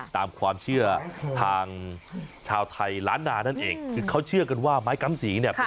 ตามความเชื่อทางชาวไทยล้านนานั่นเองคือเขาเชื่อกันว่าไม้กำสีเนี่ย